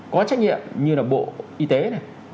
có trách nhiệm như là bộ y tế này